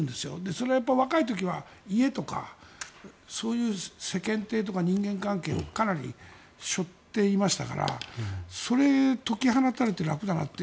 それは若い時は家とか世間体とか人間関係をかなり背負っていましたからそれを解き放たれて楽だなと。